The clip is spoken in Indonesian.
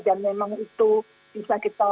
dan memang itu bisa kita